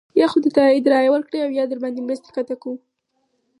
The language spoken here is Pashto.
یا خو د تایید رایه ورکړئ او یا درباندې مرستې قطع کوو.